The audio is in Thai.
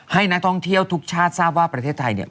ให้นักท่องเที่ยวทุกชาติทราบว่าประเทศไทยเนี่ย